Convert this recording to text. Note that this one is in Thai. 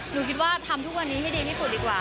หนูคิดว่าทำทุกวันนี้ให้ดีที่สุดดีกว่า